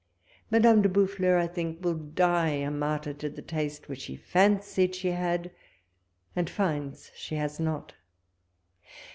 Madame de Bouftlers I think will die a martyr to a taste, which she fancied she had, and finds she has not.